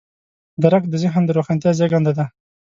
درک د ذهن د روښانتیا زېږنده دی.